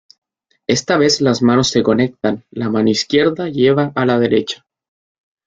Esta vez las manos se conectan, la mano izquierda lleva a la derecha.